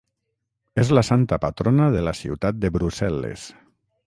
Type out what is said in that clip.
És la santa patrona de la ciutat de Brussel·les.